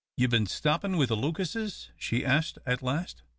"You bin stoppin' with the Lucases?" she asked, at last.